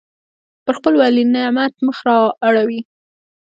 پر خپل ولینعمت مخ را اړوي.